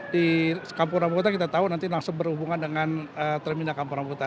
di kampung rambutan kita tahu nanti langsung berhubungan dengan terminal kampung rambutan